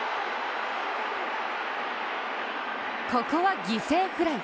ここは犠牲フライ。